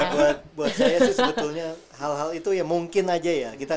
buat saya sih sebetulnya hal hal itu ya mungkin aja ya